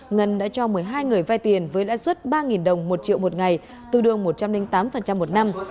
ngân đã cho một mươi hai người vai tiền với lãi suất ba đồng một triệu một ngày tương đương một trăm linh tám một năm